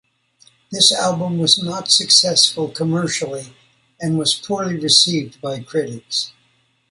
This album was not successful commercially and was poorly received by critics.